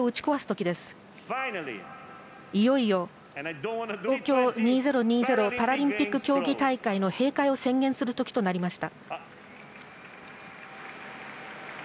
やりたくはないんですけどしかし、いよいよ東京２０２０パラリンピック競技大会の閉会を宣言するときとなりました。